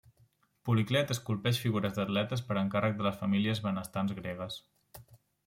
Policlet esculpeix figures d'atletes per encàrrec de les famílies benestants gregues.